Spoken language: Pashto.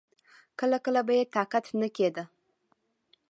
کله کله به يې طاقت نه کېده.